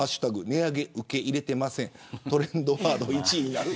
値上げ受け入れてません、がトレンドワード１位になる。